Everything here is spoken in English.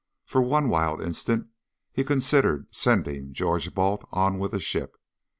For one wild instant he considered sending George Balt on with the ship.